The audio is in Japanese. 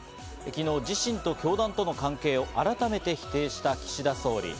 昨日、自身と教団との関係を改めて否定した岸田総理。